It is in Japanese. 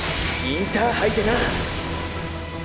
インターハイに。